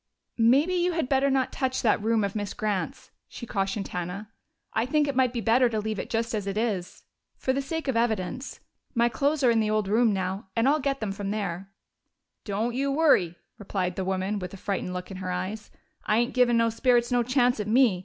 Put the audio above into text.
"Maybe you had better not touch that room of Miss Grant's," she cautioned Hannah. "I think it might be better to leave it just as it is for the sake of evidence. My clothes are in your old room now, and I'll get them from there." "Don't you worry!" returned the woman, with a frightened look in her eyes. "I ain't givin' no spirits no chance at me!